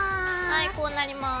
はいこうなります。